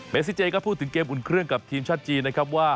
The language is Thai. ซิเจก็พูดถึงเกมอุ่นเครื่องกับทีมชาติจีนนะครับว่า